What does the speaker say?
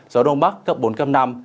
gió đông bắc cấp bốn cấp năm